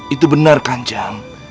itu benar kanjung